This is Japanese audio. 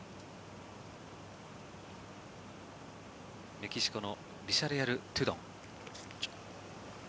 メキシコのビジャレアル・トゥドン。